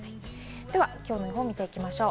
きょうの予報を見ていきましょう。